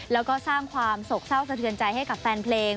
แล้วก็สร้างความโศกเศร้าสะเทือนใจให้กับแฟนเพลง